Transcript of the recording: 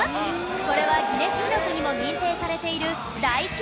これはギネス記録にも認定されている大記録なんです